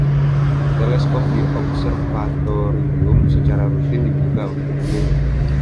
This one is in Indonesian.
Teleskop di observatorium secara rutin dibuka untuk umum.